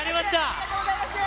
ありがとうございます。